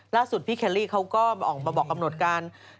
พี่แคลลี่เขาก็ออกมาบอกกำหนดการ